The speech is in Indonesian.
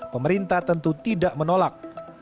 pemerintah tentu tidak menolak